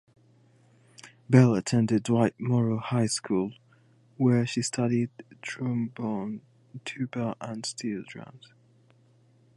Belle attended Dwight Morrow High School where she studied trombone, tuba and steel drums.